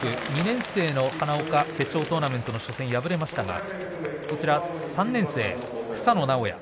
日本大学２年生の花岡決勝トーナメントの初戦敗れましたが３年生、草野直哉